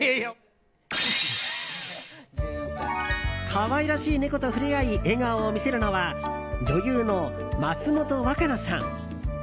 可愛らしい猫と触れ合い笑顔を見せるのは女優の松本若菜さん。